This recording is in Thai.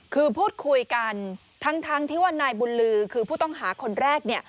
คือพูดคุยกันทั้งที่ว่านายบุญลือคือผู้ต้องหาคนแรกเนี่ย